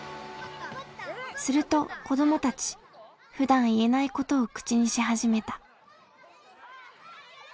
すると子どもたちふだん言えないことを口にし始めた。